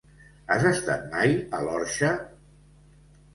Has estat mai a l'Orxa?